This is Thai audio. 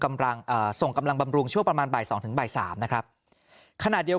กำลังเอ่อส่งกำลังบำรุงช่วงประมาณบ่ายสองถึงบ่ายสามนะครับขณะเดียวกัน